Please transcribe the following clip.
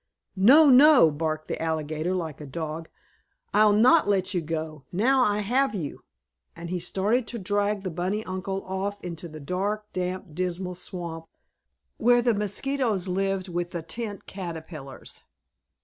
"No! No!" barked the alligator, like a dog. "I'll not let you go, now I have you!" and he started to drag the bunny uncle off to the dark, damp, dismal swamp, where the mosquitoes lived with the tent caterpillars.